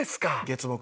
月木。